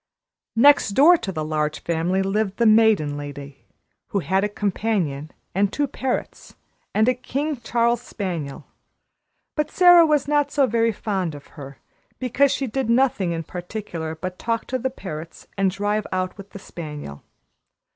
Next door to the Large Family lived the Maiden Lady, who had a companion, and two parrots, and a King Charles spaniel; but Sara was not so very fond of her, because she did nothing in particular but talk to the parrots and drive out with the spaniel.